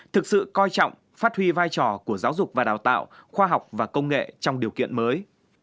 thực sự coi trọng phát huy vai trò của giáo dục và đào tạo khoa học và công nghệ trong điều kiện mới